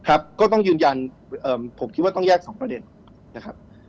ก็ต้องยืนยันผมคิดว่าต้องแยกสองประเด็นนะครับ